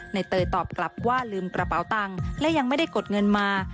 เตยตอบกลับว่าลืมกระเป๋าตังค์และยังไม่ได้กดเงินมา